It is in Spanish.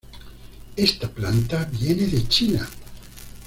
Esta planta viene de China.